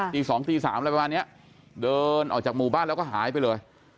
ตี๒ตี๓อะไรประมาณนี้เดินออกจากหมู่บ้านแล้วก็หายไปเลย